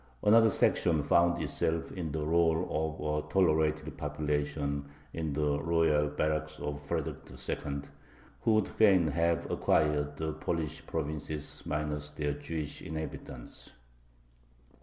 Another section found itself in the rôle of a "tolerated" population in the royal barracks of Frederick II., who would fain have acquired the Polish provinces minus their Jewish inhabitants.